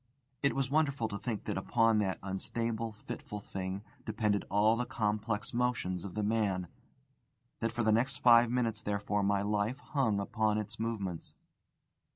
It was wonderful to think that upon that unstable, fitful thing depended all the complex motions of the man; that for the next five minutes, therefore, my life hung upon its movements.